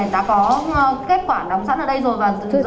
đã có kết quả đóng sẵn ở đây rồi